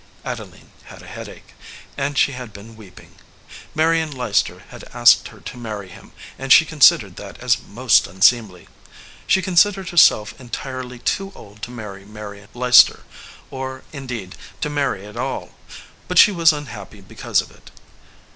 Adeline had a headache, and she had been weeping. Marion Leicester had asked her to marry him, and she considered that as most unseemly. She considered herself entirely too old to marry Marion Leicester, or, indeed, to marry at all; but she was unhappy because of it.